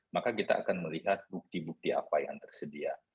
maka kita akan melihat bukti bukti apa yang tersedia